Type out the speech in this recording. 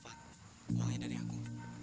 fat uangnya dari aku